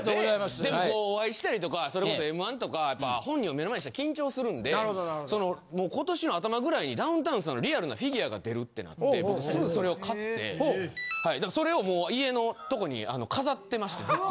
でもこうお会いしたりとかそれこそ『Ｍ−１』とかやっぱ本人を目の前にしたら緊張するんで今年の頭ぐらいにダウンタウンさんのリアルなフィギュアが出るってなって僕すぐそれを買ってでそれをもう家のとこに飾ってましてずっと。